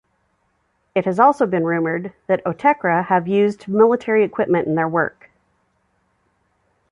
It has also been rumoured that Autechre have used military equipment in their work.